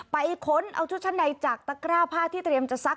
ไปก้นจัดชุดชั้นในจากตะกราพาทที่เตรียมจะซัก